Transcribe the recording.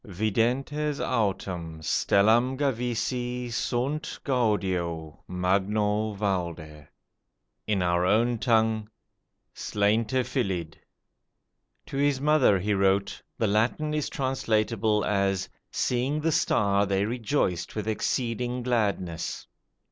Videntes autem stellam gavisi sunt gaudio magno valde. In our own tongue, 'slainte filidh'." To his mother he wrote, "the Latin is translatable as, 'seeing the star they rejoiced with exceeding gladness'."